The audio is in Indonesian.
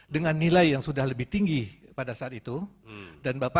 dengan nilai yang sudah lebih tinggi pada saat itu dan bapak